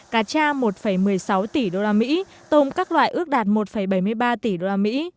cà cha một một mươi sáu tỷ đô la mỹ tôm các loại ước đạt một bảy mươi ba tỷ đô la mỹ